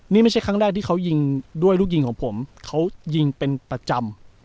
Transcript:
นี่ไม่ใช่ครั้งแรกที่เขายิงด้วยลูกยิงของผมเขายิงเป็นประจำ